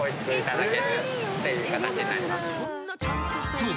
［そう。